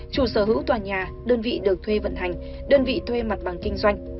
chủ sở hữu tòa nhà đơn vị được thuê vận hành đơn vị thuê mặt bằng kinh doanh